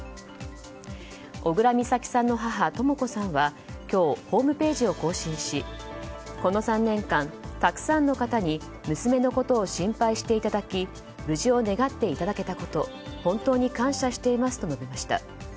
小倉美咲さんの母とも子さんは今日、ホームページを更新しこの３年間たくさんの方に娘のことを心配していただき無事を願っていただけたこと本当に感謝していますと述べました。